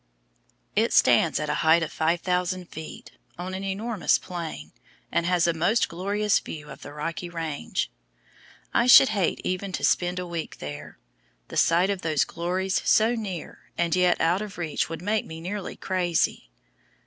It stands at a height of 5,000 feet, on an enormous plain, and has a most glorious view of the Rocky Range. I should hate even to spend a week there. The sight of those glories so near and yet out of reach would make me nearly crazy.